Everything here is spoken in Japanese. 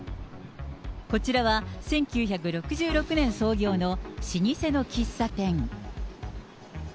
こちらは、１９６６年創業の老舗の喫茶店。